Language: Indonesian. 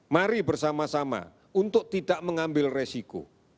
mari bersama sama untuk tidak mengambil resiko